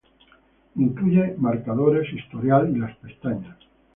Incluye marcadores, historial y las pestañas.